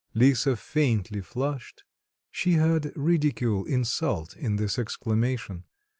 Lisa faintly flushed; she heard ridicule, insult in this exclamation.